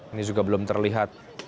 ini juga belum terlihat